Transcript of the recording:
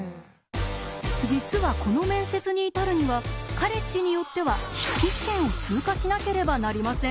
実はこの面接に至るにはカレッジによっては筆記試験を通過しなければなりません。